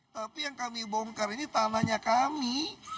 tapi yang kami bongkar ini tanahnya kami